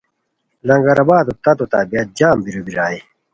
لنگرآبادو تتو طبیعت جم بیرو بیرائے